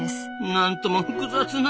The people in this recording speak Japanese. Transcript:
なんとも複雑な。